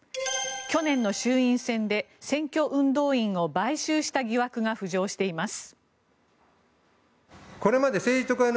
去年の衆院選で選挙運動員を買収した疑惑が浮上しています。